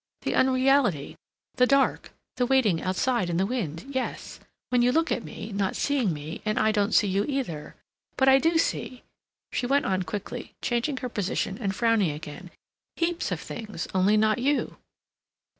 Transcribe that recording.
The unreality—the dark—the waiting outside in the wind—yes, when you look at me, not seeing me, and I don't see you either.... But I do see," she went on quickly, changing her position and frowning again, "heaps of things, only not you."